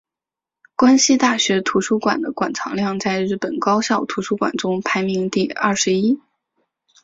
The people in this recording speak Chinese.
关西大学图书馆的馆藏量在日本高校图书馆中排名第二十一。